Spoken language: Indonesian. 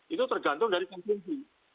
itu tergantung dari kemungkinan